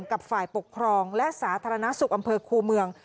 กับฝ่ายปกครองและสาธารณสุขอำเภอคูเมือง